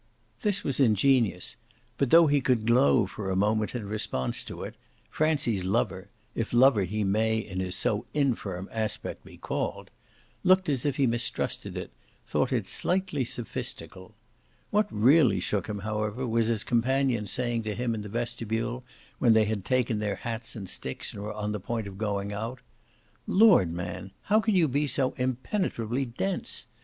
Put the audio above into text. This was ingenious, but, though he could glow for a moment in response to it, Francie's lover if lover he may in his so infirm aspect be called looked as if he mistrusted it, thought it slightly sophistical. What really shook him however was his companion's saying to him in the vestibule, when they had taken their hats and sticks and were on the point of going out: "Lord, man, how can you be so impenetrably dense?